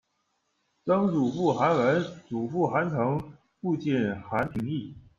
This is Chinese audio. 曾祖父韩文；祖父韩诚；父亲韩廷义。